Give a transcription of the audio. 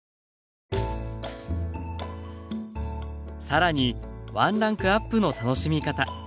さらにワンランクアップの楽しみ方。